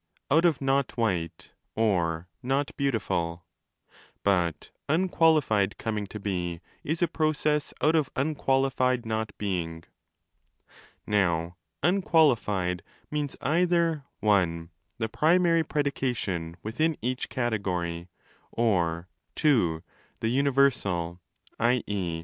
out of not white or not beautiful); but wnxqualified coming to be is a process out of wuqualified not being. Now ' unqualified' means either (i) the primary predica tion within each Category, or (ii) the universal, i.e.